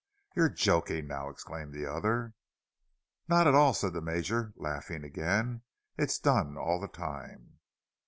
"You're joking now!" exclaimed the other. "Not at all," said the Major, laughing again. "It's done all the time.